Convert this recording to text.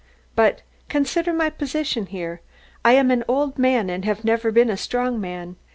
But consider my position here. I am an old man and have never been a strong man.